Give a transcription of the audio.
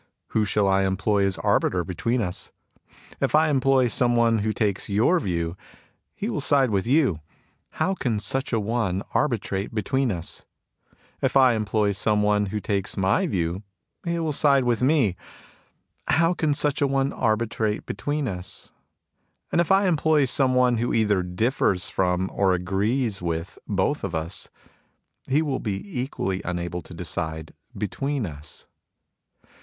Who shall I employ as arbiter between us ? If I employ some one who takes your view, he will side with you. How can such a one arbi trate between us ? If I employ some one who takes my view, he will side with me. How can such a one arbitrate between us ? And if I employ some one who either differs from or agrees with both of us, he will be equally unable to decide between us.